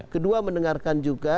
kedua mendengarkan juga